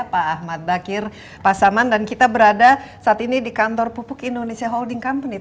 pak ahmad bakir pasaman dan kita berada saat ini di kantor pupuk indonesia holding company